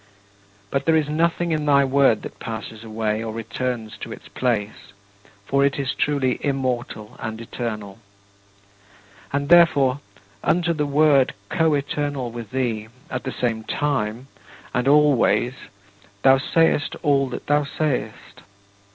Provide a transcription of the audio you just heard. But there is nothing in thy Word that passes away or returns to its place; for it is truly immortal and eternal. And, therefore, unto the Word coeternal with thee, at the same time and always thou sayest all that thou sayest.